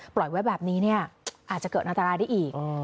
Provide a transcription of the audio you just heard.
ปล่อยไว้แบบนี้เนี่ยอาจจะเกิดอันตรายได้อีก